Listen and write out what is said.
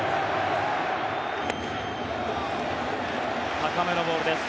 高めのボールです。